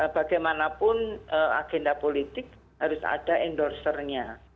bagaimanapun agenda politik harus ada endorsernya